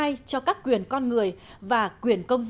riêng chương hai cho các quyền con người và quyền công dân